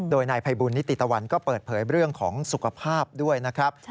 โดยนายภัยบุญนิติตะวันก็เปิดเผยเรื่องของสุขภาพด้วยนะครับ